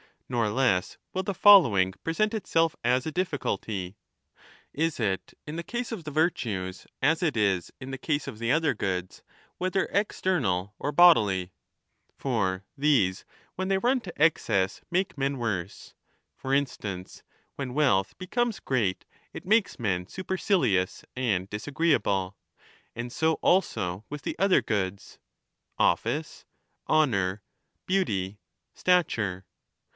Nor less will the following present itself as a difficulty. Is it in the case of the virtues as it is in the case of the other goods, whether external or bodily ? For these when they run to excess make men worse ; for instance, when 15 wealth becomes great it makes men supercilious and dis ^reeable. And so also with the other goods — office, honour, beauty, stature.